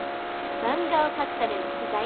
漫画を描くための取材。